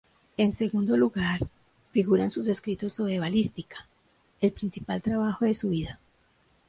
En segundo lugar, figuran sus escritos sobre balística, el principal trabajo de su vida.